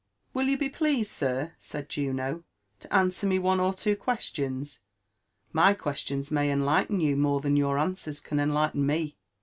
\'«' Will you bei^leased, sir," said Juno, '* to answer me one or two questions ? My questions may enlighten you more than your answers can enlighten me."